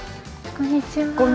こんにちは。